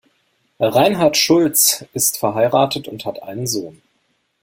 Reinhard Schultz ist verheiratet und hat einen Sohn.